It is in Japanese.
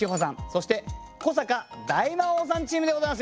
そして古坂大魔王さんチームでございます。